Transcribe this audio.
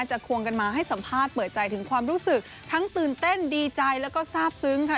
ควงกันมาให้สัมภาษณ์เปิดใจถึงความรู้สึกทั้งตื่นเต้นดีใจแล้วก็ทราบซึ้งค่ะ